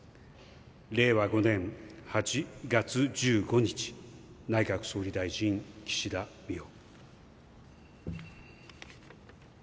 令和五年八月十五日内閣総理大臣岸田文雄